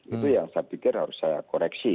itu yang saya pikir harus saya koreksi